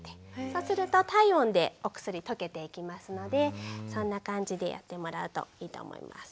そうすると体温でお薬溶けていきますのでそんな感じでやってもらうといいと思います。